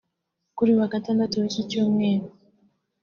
Kuri uyu wa gatandatu w’iki cyumweru